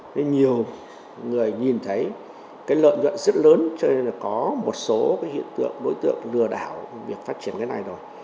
thế nhiều người nhìn thấy cái lợi nhuận rất lớn cho nên là có một số cái hiện tượng đối tượng lừa đảo việc phát triển cái này rồi